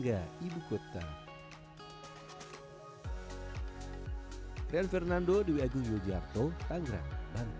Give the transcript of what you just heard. karena memang warga keturunan betawi tidak hanya mendiam di jakarta namun juga daerah penduduk kota itu lainnya